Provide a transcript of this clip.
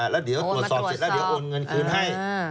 แล้วเดี๋ยวตรวจสอบเสร็จแล้วเดี๋ยวโอนเงินคืนให้